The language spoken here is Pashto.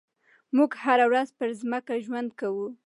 موږ هره ورځ پر ځمکه ژوند کوو.